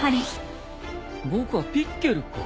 僕はピッケルか。